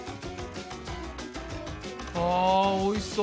あおいしそう！